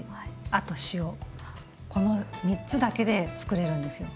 あと塩この３つだけでつくれるんですよ。